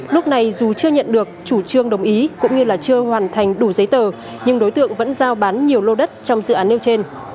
lúc này dù chưa nhận được chủ trương đồng ý cũng như chưa hoàn thành đủ giấy tờ nhưng đối tượng vẫn giao bán nhiều lô đất trong dự án nêu trên